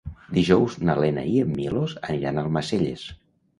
Dijous na Lena i en Milos aniran a Almacelles.